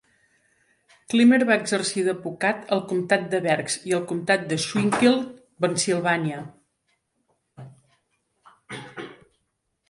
Clymer va exercir d'advocat al comtat de Berks i al comtat de Schuylkill, Pennsylvania.